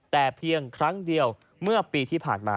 แต่เพียงครั้งเดียวเมื่อปีที่ผ่านมา